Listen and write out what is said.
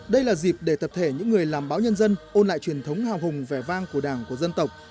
đây là dịp để tập thể những người làm báo nhân dân ôn lại truyền thống hào hùng vẻ vang của đảng của dân tộc